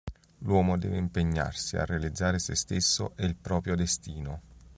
L'uomo deve impegnarsi a realizzare sé stesso e il proprio destino.